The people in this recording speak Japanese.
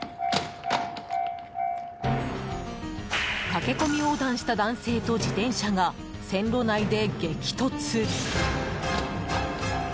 駆け込み横断した男性と自転車が線路内で激突。